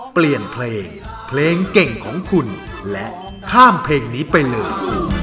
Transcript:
เปลี่ยนเพลงเพลงเก่งของคุณและข้ามเพลงนี้ไปเลย